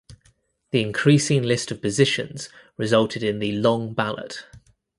The increasing list of positions resulted in the "long ballot".